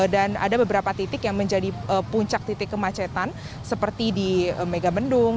dan ada beberapa titik yang menjadi puncak titik kemacetan seperti di megabendung